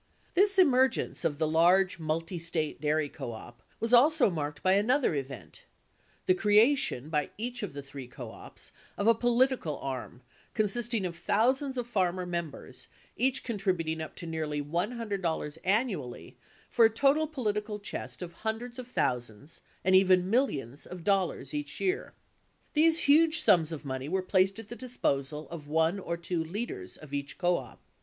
2 This emergence of the large, multi State dairy co op was also marked by another event — the creation by each of the three co ops of a political arm consisting of thousands of farmer members, each contrib uting up to nearly $100 annually, for a total political chest of hun dreds of thousands, and even millions, of dollars each year. These huge sums of money were placed at the disposal of one or two leaders of each co op.